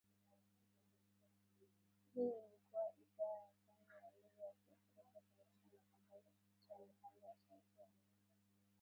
Hii ilikua idhaa ya kwanza ya lugha ya Kiafrika kuanzisha matangazo kupitia mitambo ya Sauti ya Amerika